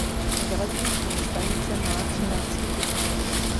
Železniční stanice má tři nástupiště.